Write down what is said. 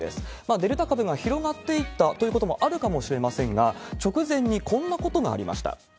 デルタ株が広がっていったということもあるかもしれませんが、直前にこんなことがありました。